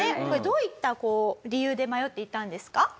これどういった理由で迷っていたんですか？